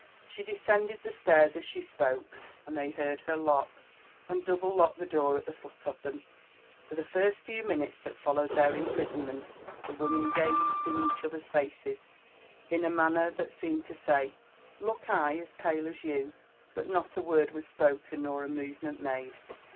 She descended the stairs as she spoke, and they heard her lock and double lock the door at the foot of them. For the first few minutes that followed their imprisonment, the women gated in each other's faces in a manner that seemed to say, ^ Look I as pale as you ?" butnot a word was spoken, nor a movement made.